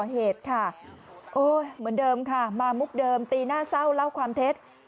เหตุค่ะโอ้ยเหมือนเดิมค่ะมามุกเดิมตีหน้าเศร้าเล่าความเท็จ